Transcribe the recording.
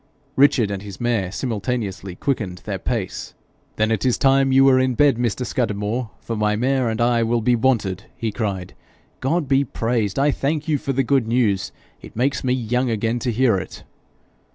Richard and his mare simultaneously quickened their pace. 'Then it is time you were in bed, Mr Scudamore, for my mare and I will be wanted,' he cried. 'God be praised! I thank you for the good news. It makes me young again to hear it.'